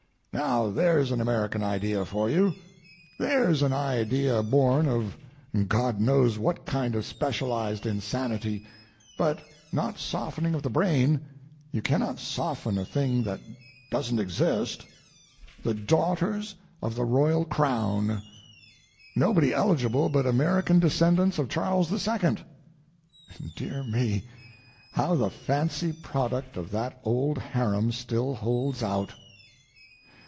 Now, there's an American idea for you; there's an idea born of God knows what kind of specialized insanity, but not softening of the brain—you cannot soften a thing that doesn't exist—the Daughters of the Royal Crown! Nobody eligible but American descendants of Charles II. Dear me, how the fancy product of that old harem still holds out!